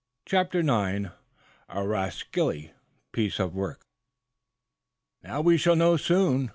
CHAPTER IX A RASCALLY PIECE OF WORK "Now, we shall soon know!"